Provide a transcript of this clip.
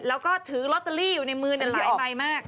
แล้วก็ถือลอตเตอรี่อยู่ในมือหลายใบมาก